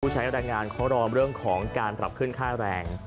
หุ้นแต่งเป็นของผู้ใช้การรองเรื่องของการหลับขึ้นค่าแรง